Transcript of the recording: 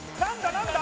何だ？